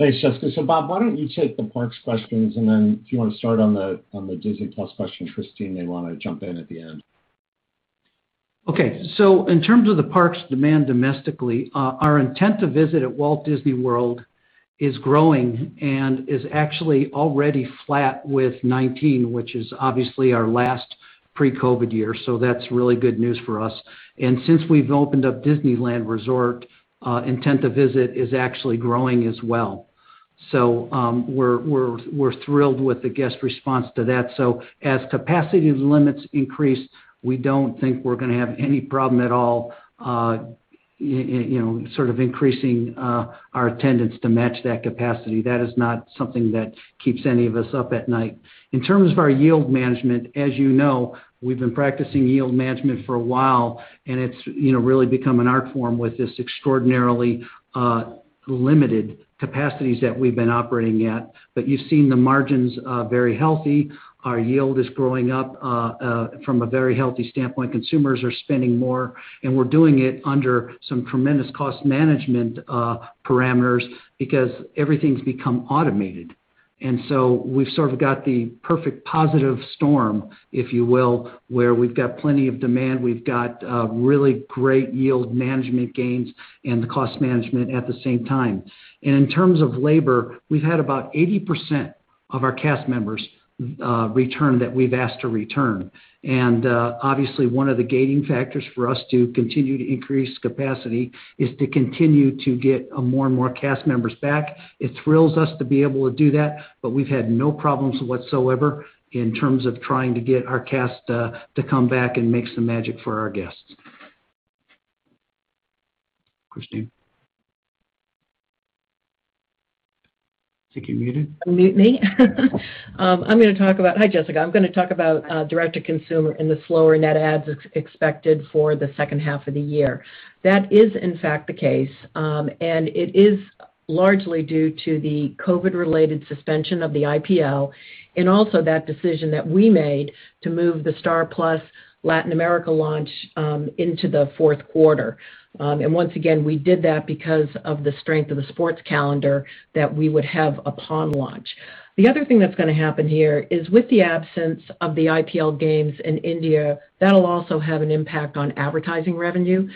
Thanks, Jessica. Bob, why don't you take the Parks questions and then if you want to start on the Disney+ question, Christine may want to jump in at the end. In terms of the parks demand domestically, our intent to visit at Walt Disney World is growing and is actually already flat with 2019, which is obviously our last pre-COVID year. Since we've opened up Disneyland Resort, intent to visit is actually growing as well. We're thrilled with the guest response to that. As capacity limits increase, we don't think we're going to have any problem at all, sort of increasing our attendance to match that capacity. That is not something that keeps any of us up at night. In terms of our yield management, as you know, we've been practicing yield management for a while, and it's really become an art form with this extraordinarily limited capacities that we've been operating at. You've seen the margins are very healthy. Our yield is growing up from a very healthy standpoint. Consumers are spending more. We're doing it under some tremendous cost management parameters because everything's become automated. We've sort of got the perfect positive storm, if you will, where we've got plenty of demand, we've got really great yield management gains and the cost management at the same time. In terms of labor, we've had about 80% of our cast members return that we've asked to return. Obviously one of the gating factors for us to continue to increase capacity is to continue to get more and more cast members back. It thrills us to be able to do that, but we've had no problems whatsoever in terms of trying to get our cast to come back and make some magic for our guests. Christine. I think you're muted. Unmute me. Hi, Jessica. I'm going to talk about direct to consumer and the slower net adds expected for the second half of the year. That is in fact the case, and it is largely due to the COVID related suspension of the IPL and also that decision that we made to move the Star+ Latin America launch into the fourth quarter. Once again, we did that because of the strength of the sports calendar that we would have upon launch. The other thing that's going to happen here is with the absence of the IPL games in India, that'll also have an impact on advertising revenue.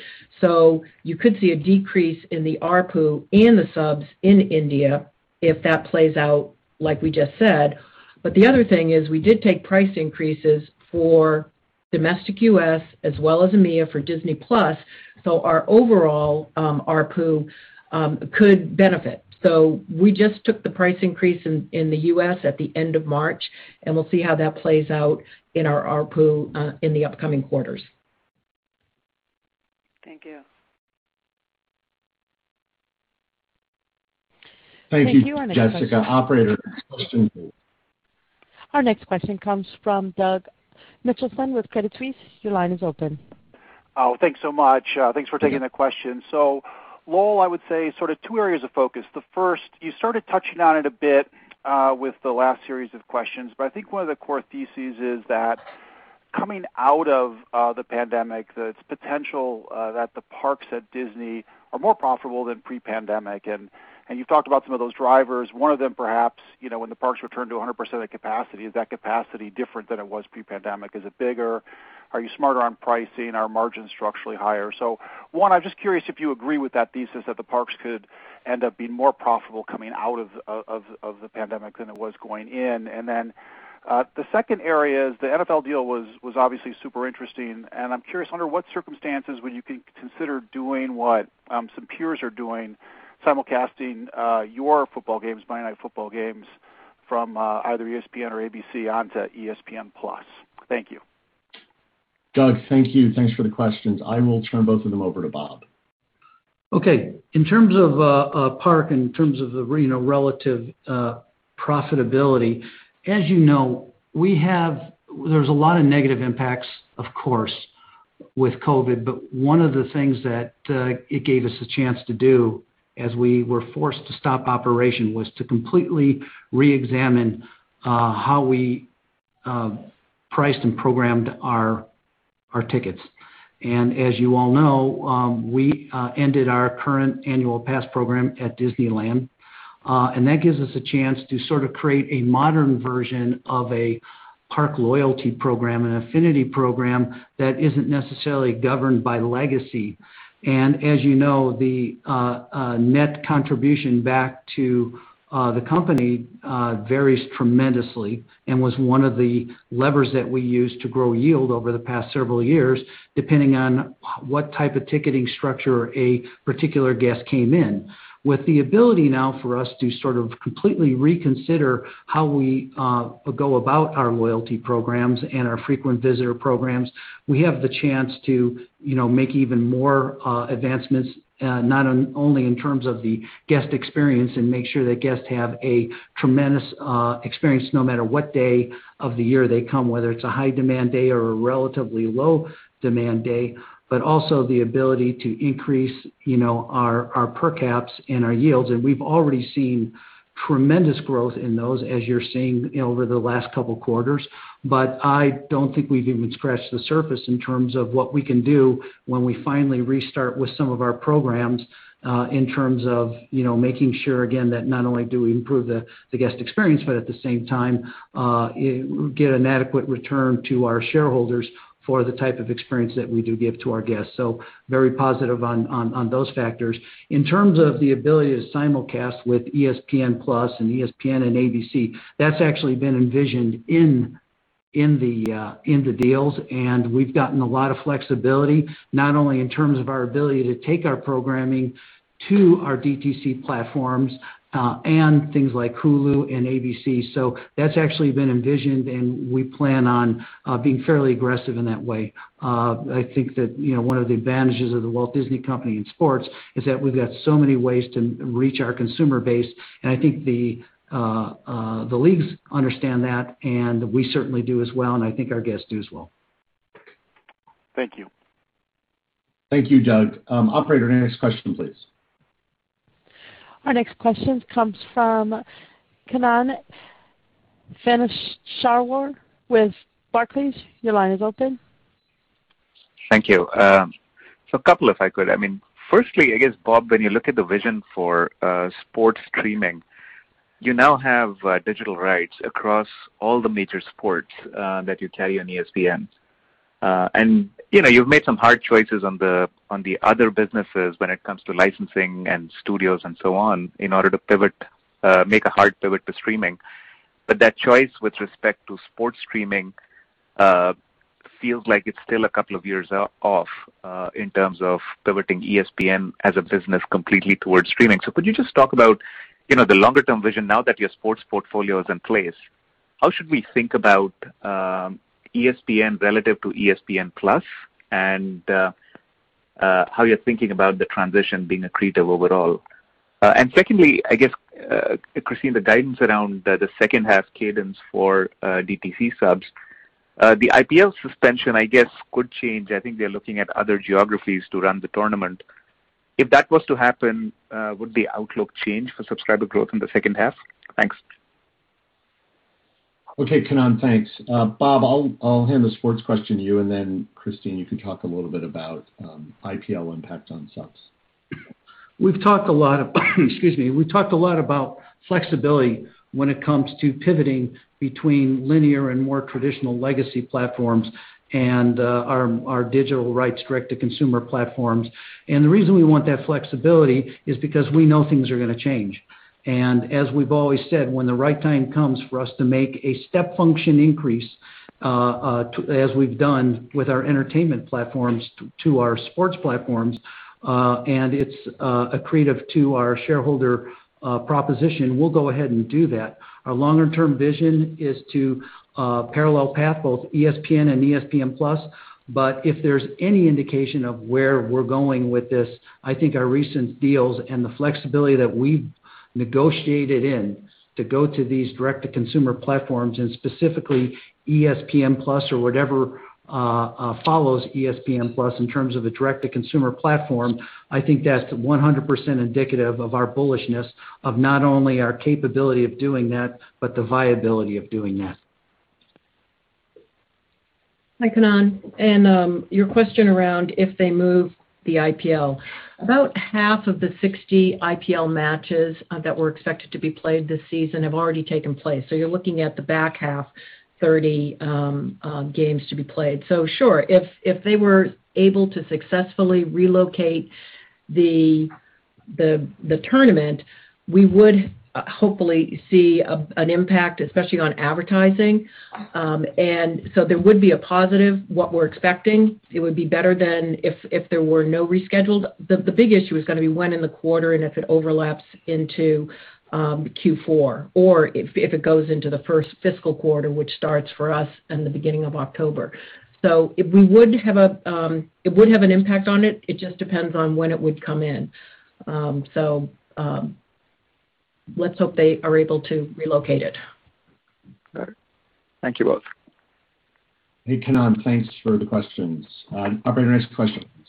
You could see a decrease in the ARPU and the subs in India if that plays out like we just said. The other thing is we did take price increases for domestic U.S. as well as EMEA for Disney+. Our overall ARPU could benefit. We just took the price increase in the U.S. at the end of March, and we'll see how that plays out in our ARPU in the upcoming quarters. Thank you. Thank you, Jessica. Operator, next question please. Our next question comes from Douglas Mitchelson with Credit Suisse. Your line is open. Oh, thanks so much. Thanks for taking the question. Lowell, I would say sort of two areas of focus. The first, you sort of touched on it a bit with the last series of questions, but I think one of the core theses is that coming out of the pandemic, that it's potential that the parks at Disney are more profitable than pre-pandemic and you've talked about some of those drivers. One of them perhaps, when the parks return to 100% of capacity, is that capacity different than it was pre-pandemic? Is it bigger? Are you smarter on pricing? Are margins structurally higher? One, I'm just curious if you agree with that thesis that the parks could end up being more profitable coming out of the pandemic than it was going in. The second area is the NFL deal was obviously super interesting and I'm curious under what circumstances would you consider doing what some peers are doing, simulcasting your football games, Monday Night Football games from either ESPN or ABC onto ESPN+. Thank you. Doug, thank you. Thanks for the questions. I will turn both of them over to Bob. In terms of park, in terms of the relative profitability, as you know, there's a lot of negative impacts, of course, with COVID, but one of the things that it gave us a chance to do as we were forced to stop operation was to completely reexamine how we priced and programmed our tickets. As you all know, we ended our current annual pass program at Disneyland. That gives us a chance to sort of create a modern version of a park loyalty program and affinity program that isn't necessarily governed by legacy. As you know, the net contribution back to the company varies tremendously and was one of the levers that we used to grow yield over the past several years, depending on what type of ticketing structure a particular guest came in. With the ability now for us to sort of completely reconsider how we go about our loyalty programs and our frequent visitor programs, we have the chance to make even more advancements, not only in terms of the guest experience and make sure that guests have a tremendous experience no matter what day of the year they come, whether it's a high demand day or a relatively low demand day, but also the ability to increase our per caps and our yields. We've already seen tremendous growth in those as you're seeing over the last couple of quarters. I don't think we've even scratched the surface in terms of what we can do when we finally restart with some of our programs, in terms of making sure again, that not only do we improve the guest experience, but at the same time, get an adequate return to our shareholders for the type of experience that we do give to our guests. Very positive on those factors. In terms of the ability to simulcast with ESPN+ and ESPN and ABC, that's actually been envisioned in the deals and we've gotten a lot of flexibility, not only in terms of our ability to take our programming to our DTC platforms and things like Hulu and ABC. That's actually been envisioned and we plan on being fairly aggressive in that way. I think that one of the advantages of The Walt Disney Company in sports is that we've got so many ways to reach our consumer base and I think the leagues understand that and we certainly do as well and I think our guests do as well. Thank you. Thank you, Doug. Operator, next question please. Our next question comes from Kannan Venkateshwar with Barclays. Your line is open. Thank you. A couple if I could. Firstly, I guess Bob, when you look at the vision for sports streaming, you now have digital rights across all the major sports that you carry on ESPN. You've made some hard choices on the other businesses when it comes to licensing and studios and so on in order to make a hard pivot to streaming. That choice with respect to sports streaming feels like it's still a couple of years off in terms of pivoting ESPN as a business completely towards streaming. Could you just talk about the longer-term vision now that your sports portfolio is in place? How should we think about ESPN relative to ESPN+ and how you're thinking about the transition being accretive overall? Secondly, I guess, Christine, the guidance around the second half cadence for DTC subs. The IPL suspension, I guess could change. I think they're looking at other geographies to run the tournament. If that was to happen, would the outlook change for subscriber growth in the second half? Thanks. Okay, Kannan, thanks. Bob, I'll hand the sports question to you and then Christine you can talk a little bit about IPL impact on subs. We've talked a lot about flexibility when it comes to pivoting between linear and more traditional legacy platforms and our digital rights direct-to-consumer platforms. The reason we want that flexibility is because we know things are going to change. As we've always said, when the right time comes for us to make a step function increase, as we've done with our entertainment platforms to our sports platforms, and it's accretive to our shareholder proposition, we'll go ahead and do that. Our longer-term vision is to parallel path both ESPN and ESPN+. If there's any indication of where we're going with this, I think our recent deals and the flexibility that we've negotiated in to go to these direct-to-consumer platforms and specifically ESPN+ or whatever follows ESPN+ in terms of a direct-to-consumer platform, I think that's 100% indicative of our bullishness of not only our capability of doing that, but the viability of doing that. Hi, Kannan. Your question around if they move the IPL. About half of the 60 IPL matches that were expected to be played this season have already taken place. You're looking at the back half, 30 games to be played. Sure, if they were able to successfully relocate the tournament, we would hopefully see an impact especially on advertising. There would be a positive what we're expecting. It would be better than if there were no rescheduled. The big issue is going to be when in the quarter and if it overlaps into Q4 or if it goes into the first fiscal quarter which starts for us in the beginning of October. It would have an impact on it just depends on when it would come in. Let's hope they are able to relocate it. All right. Thank you both. Hey Kannan, thanks for the questions. Operator, next question please.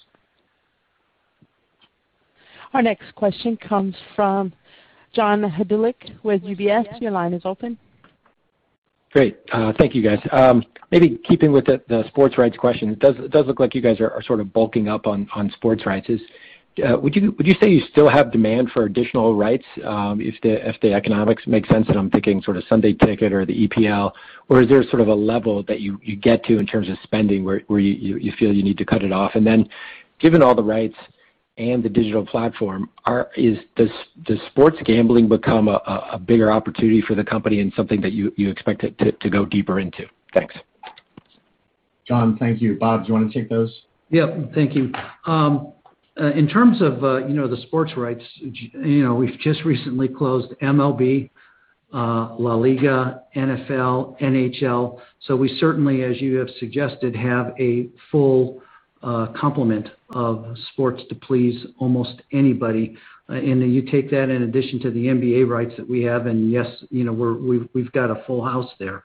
Our next question comes from John Hodulik with UBS. Your line is open. Great. Thank you guys. Keeping with the sports rights question, it does look like you guys are sort of bulking up on sports rights. Would you say you still have demand for additional rights if the economics make sense? I'm thinking Sunday Ticket or the EPL, or is there a level that you get to in terms of spending where you feel you need to cut it off? Given all the rights and the digital platform, does sports gambling become a bigger opportunity for the company and something that you expect to go deeper into? Thanks. John, thank you. Bob, do you want to take those? Yep, thank you. In terms of the sports rights, we've just recently closed MLB, La Liga, NFL, NHL. We certainly, as you have suggested, have a full complement of sports to please almost anybody. You take that in addition to the NBA rights that we have and yes, we've got a full house there.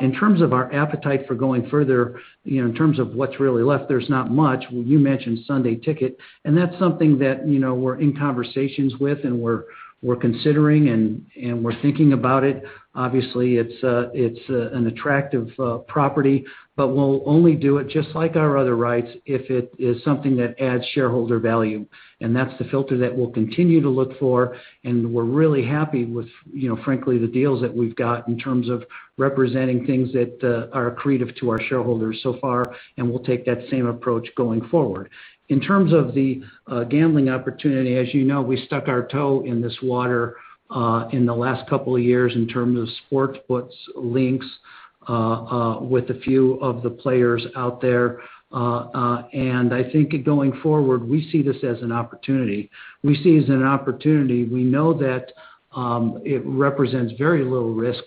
In terms of our appetite for going further, in terms of what's really left, there's not much. Well, you mentioned Sunday Ticket and that's something that we're in conversations with and we're considering and we're thinking about it. Obviously it's an attractive property, but we'll only do it just like our other rights if it is something that adds shareholder value. That's the filter that we'll continue to look for and we're really happy with frankly the deals that we've got in terms of representing things that are accretive to our shareholders so far and we'll take that same approach going forward. In terms of the gambling opportunity as you know we stuck our toe in this water in the last couple of years in terms of sportsbooks links with a few of the players out there. I think going forward we see this as an opportunity. We see it as an opportunity. We know that it represents very little risk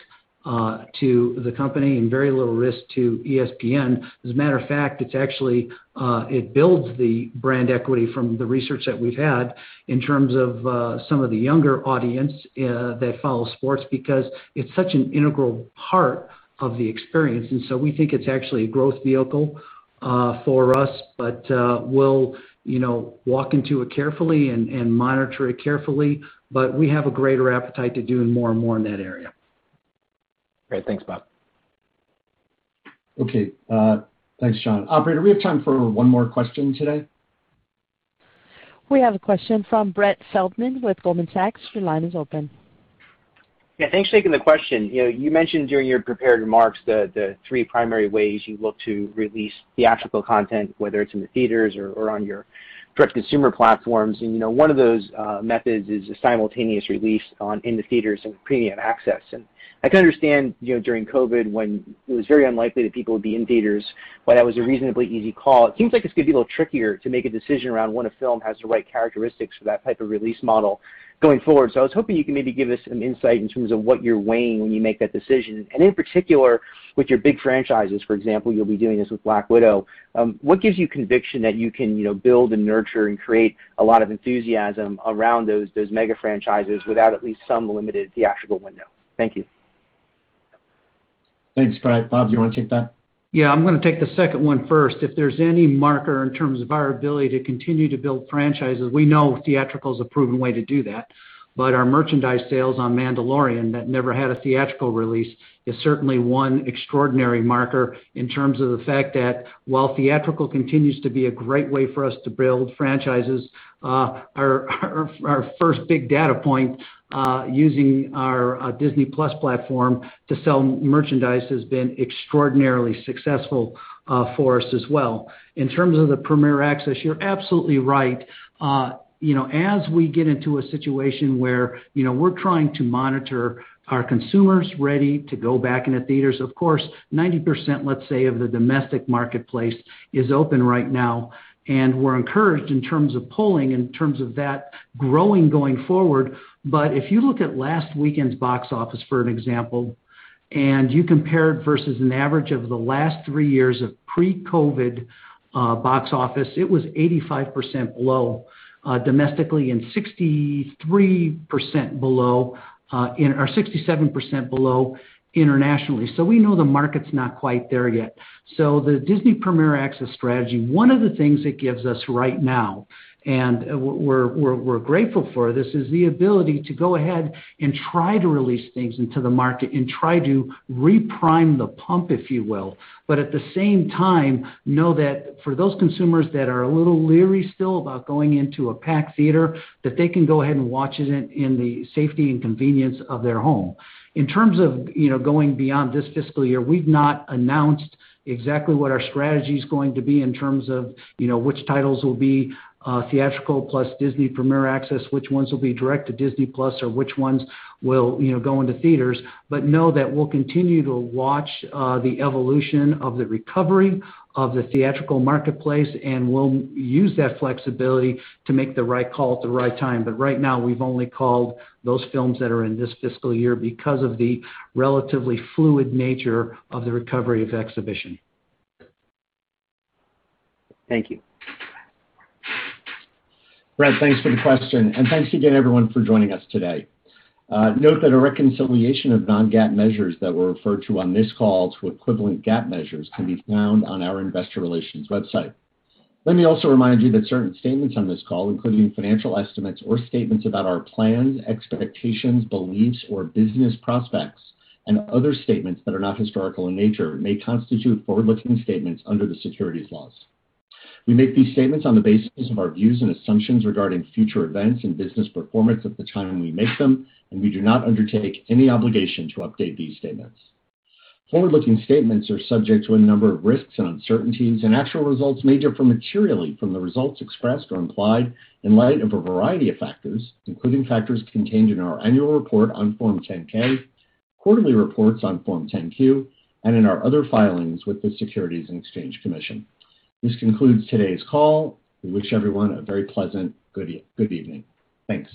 to the company and very little risk to ESPN. As a matter of fact, it builds the brand equity from the research that we've had in terms of some of the younger audience that follow sports because it's such an integral part of the experience. We think it's actually a growth vehicle for us, but we'll walk into it carefully and monitor it carefully. We have a greater appetite to doing more and more in that area. Great. Thanks, Bob. Okay. Thanks, John. Operator, do we have time for one more question today? We have a question from Brett Feldman with Goldman Sachs. Your line is open. Yeah, thanks for taking the question. You mentioned during your prepared remarks the three primary ways you look to release theatrical content, whether it's in the theaters or on your direct consumer platforms. One of those methods is a simultaneous release into theaters and Disney+ Premier Access. I can understand, during COVID when it was very unlikely that people would be in theaters why that was a reasonably easy call. It seems like it's going to be a little trickier to make a decision around when a film has the right characteristics for that type of release model going forward. I was hoping you could maybe give us some insight in terms of what you're weighing when you make that decision. In particular, with your big franchises, for example, you'll be doing this with "Black Widow," what gives you conviction that you can build and nurture and create a lot of enthusiasm around those mega franchises without at least some limited theatrical window? Thank you. Thanks, Brett. Bob, do you want to take that? Yeah. I'm going to take the second one first. If there's any marker in terms of our ability to continue to build franchises, we know theatrical is a proven way to do that. Our merchandise sales on Mandalorian that never had a theatrical release is certainly one extraordinary marker in terms of the fact that while theatrical continues to be a great way for us to build franchises, our first big data point using our Disney+ platform to sell merchandise has been extraordinarily successful for us as well. In terms of the Premier Access, you're absolutely right. As we get into a situation where we're trying to monitor our consumers ready to go back into theaters. Of course, 90%, let's say, of the domestic marketplace is open right now, and we're encouraged in terms of polling, in terms of that growing going forward. If you look at last weekend's box office, for an example, and you compare it versus an average of the last three years of pre-COVID box office, it was 85% below domestically and 67% below internationally. We know the market's not quite there yet. The Disney Premier Access strategy, one of the things it gives us right now, and we're grateful for this, is the ability to go ahead and try to release things into the market and try to reprime the pump, if you will. At the same time, know that for those consumers that are a little leery still about going into a packed theater, that they can go ahead and watch it in the safety and convenience of their home. In terms of going beyond this fiscal year, we've not announced exactly what our strategy's going to be in terms of which titles will be theatrical plus Disney+ Premier Access, which ones will be direct to Disney+, or which ones will go into theaters. Know that we'll continue to watch the evolution of the recovery of the theatrical marketplace, and we'll use that flexibility to make the right call at the right time. Right now, we've only called those films that are in this fiscal year because of the relatively fluid nature of the recovery of exhibition. Thank you. Brett, thanks for the question. Thanks again, everyone, for joining us today. Note that a reconciliation of non-GAAP measures that were referred to on this call to equivalent GAAP measures can be found on our investor relations website. Let me also remind you that certain statements on this call, including financial estimates or statements about our plans, expectations, beliefs, or business prospects, and other statements that are not historical in nature may constitute forward-looking statements under the securities laws. We make these statements on the basis of our views and assumptions regarding future events and business performance at the time we make them, and we do not undertake any obligation to update these statements. Forward-looking statements are subject to a number of risks and uncertainties, and actual results may differ materially from the results expressed or implied in light of a variety of factors, including factors contained in our annual report on Form 10-K, quarterly reports on Form 10-Q, and in our other filings with the Securities and Exchange Commission. This concludes today's call. We wish everyone a very pleasant good evening. Thanks.